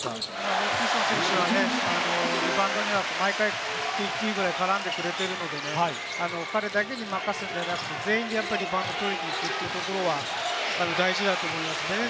ホーキンソン選手はリバウンドには毎回絡んでくれているので、彼だけに任すんじゃなくて全員にリバウンドを取りに行くというのは大事だと思う。